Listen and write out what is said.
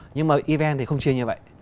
nhưng mà even thì không chia như vậy